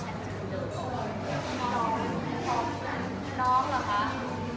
อาจจะยังต้องใช้กันตรงเดิม